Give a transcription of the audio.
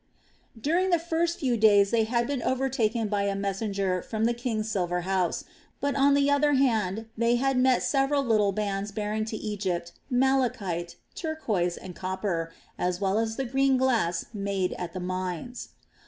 During the first few days they had been overtaken by a messenger from the king's silver house; but on the other hand they had met several little bands bearing to Egypt malachite, turquoise, and copper, as well as the green glass made at the mines.